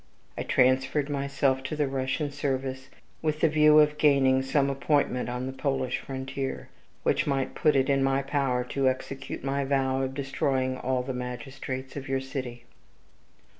I transferred myself to the Russian service, with the view of gaining some appointment on the Polish frontier, which might put it in my power to execute my vow of destroying all the magistrates of your city.